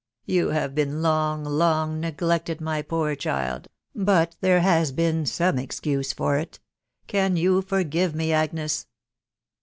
. You have been long, long neglected, my poor child ; but there has been some excuse for it. ... Can you forgive me, Agnes